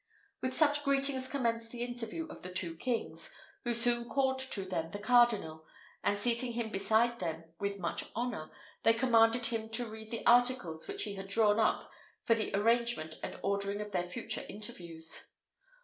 With such greetings commenced the interview of the two kings, who soon called to them the cardinal, and seating him beside them, with much honour, they commanded him to read the articles which he had drawn up for the arrangement and ordering of their future interviews.